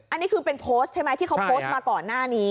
อันนี้คือเป็นโพสต์ใช่ไหมที่เขาโพสต์มาก่อนหน้านี้